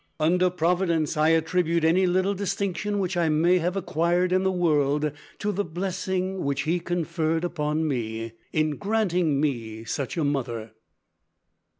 Under Providence I attribute any little distinction which I may have acquired in the world to the blessing which He conferred upon me in granting me such a mother."